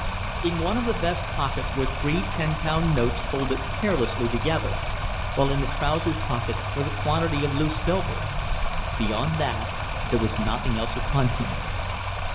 In one of the vest pockets were three ten pound notes folded carelessly together, while in the trousers pockets was a quantity of loose silver. Beyond that there was nothing else upon him.